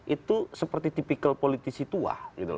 itu seperti tipikal politisi tua